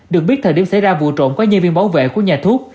được biết thời điểm xảy ra vụ trộm có nhân viên bảo vệ của nhà thuốc